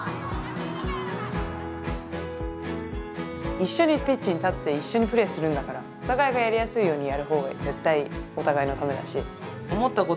一緒にピッチに立って一緒にプレーするんだからお互いがやりやすいようにやるほうが絶対お互いのためだし。